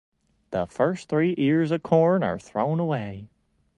The first three ears of corn are thrown away.